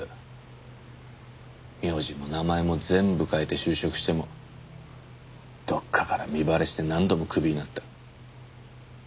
名字も名前も全部変えて就職してもどっかから身バレして何度もクビになった。